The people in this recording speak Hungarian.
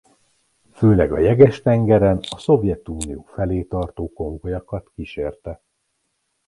Főleg a Jeges-tengeren a Szovjetunió felé tartó konvojokat kísérte.